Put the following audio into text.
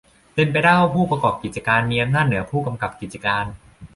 เป็นไปได้ว่าผู้ประกอบกิจการมีอำนาจเหนือผู้กำกับกิจการ